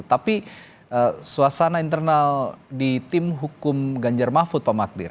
tapi suasana internal di tim hukum ganjar mahfud pak magdir